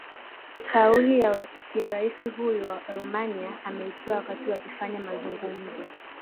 kauli ya rais huyu wa romania ameitoa wakati wakifanya mazungumzo